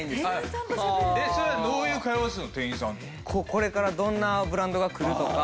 これからどんなブランドが来るとか。